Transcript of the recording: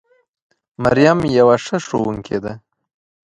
مريم يوه ښه ښوونکې ده